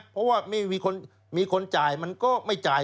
เพราะว่ามีคนจ่ายมันก็ไม่จ่าย